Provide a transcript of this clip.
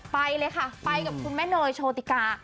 ไปเลยค่ะไปกับคุณแม่เนยโชติกา